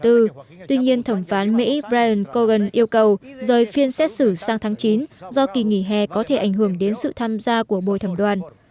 tuy nhiên thẩm phán mỹ brian cogan yêu cầu rời phiên xét xử sang tháng chín do kỳ nghỉ hè có thể ảnh hưởng đến sự tham gia của bồi thẩm đoàn